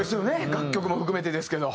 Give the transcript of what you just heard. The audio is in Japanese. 楽曲も含めてですけど。